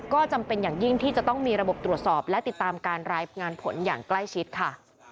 ก็จำเป็นอย่างยิ่งที่จะต้องมีระบบตรวจสอบและติดตามการรายงานผลอย่างใกล้ชิดค่ะ